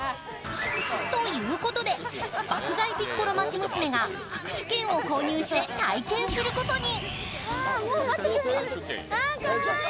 ということで、爆買いピッコロ町娘が握手券を購入して体験することに。